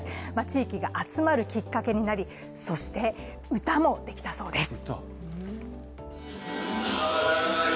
地域が集まるきっかけになり、そして、歌もできたそうです。